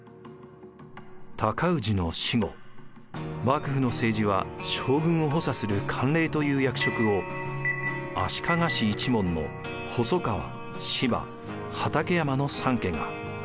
尊氏の死後幕府の政治は将軍を補佐する管領という役職を足利氏一門の細川・斯波・畠山の三家が。